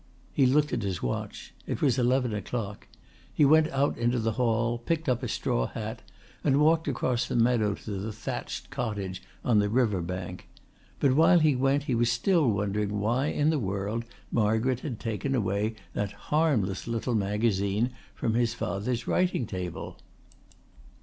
He looked at his watch. It was eleven o'clock. He went out into the hall, picked up a straw hat and walked across the meadow to the thatched cottage on the river bank. But while he went he was still wondering why in the world Margaret had taken away that harmless little magazine from his father's writing table.